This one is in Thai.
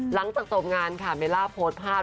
หลังจากจบงานค่ะเบลล่าโพสต์ภาพ